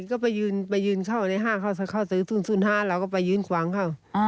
ก็ไปยืนเข้าในห้างเขาซื้อ๐๕เราก็ไปยืนขวางเข้า